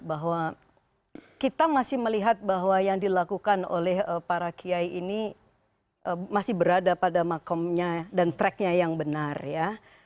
bahwa kita masih melihat bahwa yang dilakukan oleh para kiai ini masih berada pada makomnya dan tracknya yang benar ya